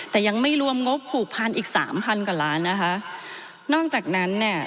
แต่ยังไม่รวมงบผูกพันอีกสามพันกว่าล้านนะคะนอกจากนั้นเนี่ย